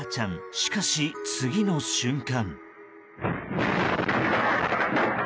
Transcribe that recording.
しかし、次の瞬間。